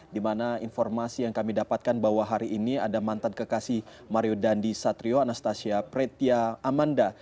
di mana informasi yang kami dapatkan bahwa hari ini ada mantan kekasih mario dandi satrio anastasia pretia amanda